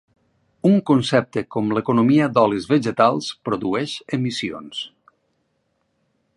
Un concepte com l'economia d'olis vegetals produeix emissions.